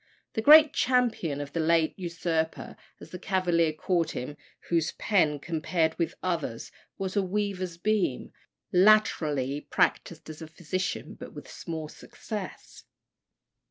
The great champion of the late usurper, as the Cavaliers called him, "whose pen, compared with others', was as a weaver's beam," latterly practised as a physician, but with small success.